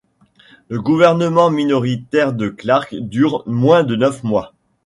Le gouvernement minoritaire de Clark dure moins de neuf mois.